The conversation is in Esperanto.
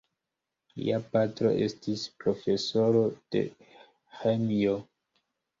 Lia patro estis profesoro de ĥemio.